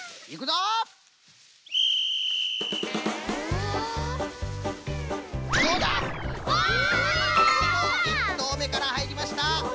１とうめからはいりました。